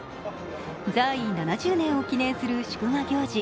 在位７０年を記念する祝賀行事